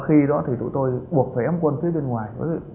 khi đó thì tụi tôi buộc phải đóng quân phía bên ngoài